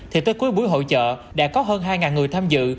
thì tới cuối buổi hội trợ đã có hơn hai người tham dự